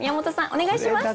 お願いします。